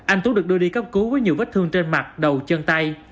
anh tú được đưa đi cấp cứu với nhiều vết thương trên mặt đầu chân tay